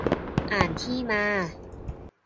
อ่านที่มา